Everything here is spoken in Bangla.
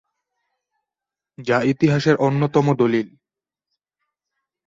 যা ইতিহাসের অন্যতম দলিল।